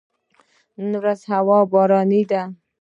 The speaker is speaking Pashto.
نن ورځ هوا باراني ده